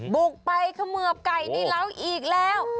บุกไปเขมือบไก่ในร้าวอีกแล้ว